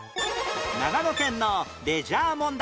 長野県のレジャー問題